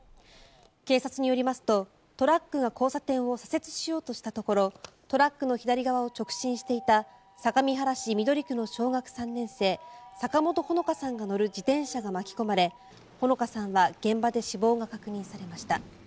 警察によりますとトラックが交差点を左折しようとしたところトラックの左側を直進していた相模原市緑区の小学３年生坂本穂香さんが乗る自転車が巻き込まれ穂香さんは現場で死亡が確認されました。